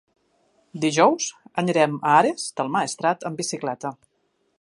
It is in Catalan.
Dijous anirem a Ares del Maestrat amb bicicleta.